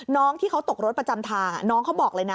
น้องที่เขาตกรถประจำทางน้องเขาบอกเลยนะ